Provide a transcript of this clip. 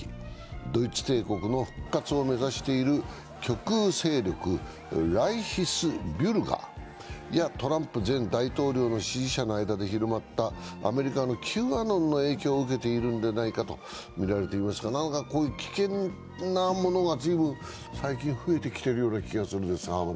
ドイツ帝国の復活を目指している極右勢力・ライヒスビュルガーやトランプ前大統領の支持者の間で広まったアメリカのＱアノンの影響を受けているのではないかとみられていますが危険なものが随分最近増えてきているような気がしますが？